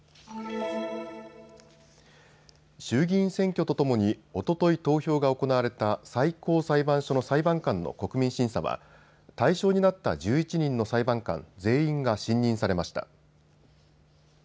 衆議院選挙とともにおととい投票が行われた最高裁判所の裁判官の国民審査は対象になった１１人の裁判官全員が信任されました。